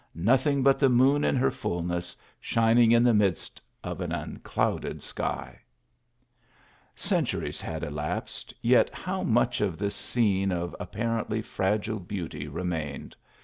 Nothing but the moon in her fulness, shining in the midst of an unclouded sky !" Centuries had elapsed, yet how much of this scene of apparently fragile beauty remained